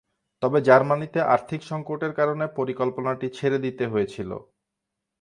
তবে জার্মানিতে আর্থিক সঙ্কটের কারণে পরিকল্পনাটি ছেড়ে দিতে হয়েছিল।